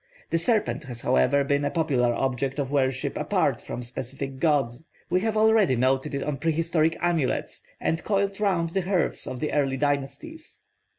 The serpent has however been a popular object of worship apart from specific gods. We have already noted it on prehistoric amulets, and coiled round the hearths of the early dynasties.